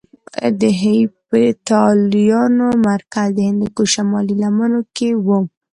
د هېپتاليانو مرکز د هندوکش شمالي لمنو کې کې وو